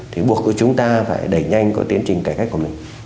thì buộc chúng ta phải đẩy nhanh cái tiến trình cải cách của mình